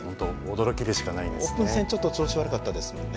オープン戦ちょっと調子悪かったですもんね。